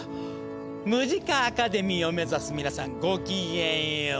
ムジカ・アカデミーを目指す皆さんごきげんよう。